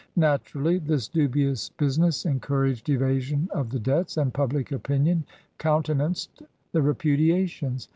Naturally, this dubious business encouraged evasion of the debts, and public opinion countenanced the repudiations.